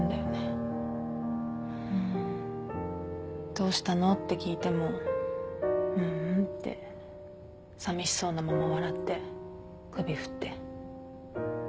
どうしたのって聞いても「ううん」ってさみしそうなまま笑って首振って。